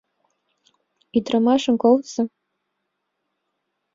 Ӱдырамашым колтыза.